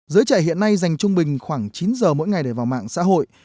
giới trẻ hiện nay dành trung bình khoảng chín giờ mỗi ngày để vào mạng xã hội